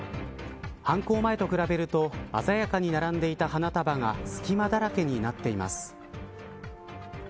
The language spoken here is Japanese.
犯行前と比べると鮮やかに並んでいた花束が隙間だらけになっています。